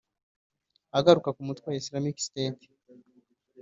Agaruka ku mutwe wa Islamic State